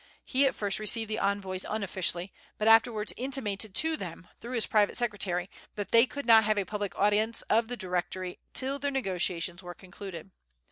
He at first received the envoys unofficially, but afterwards intimated to them, through his private secretary, that they could not have a public audience of the Directory till their negotiations were concluded.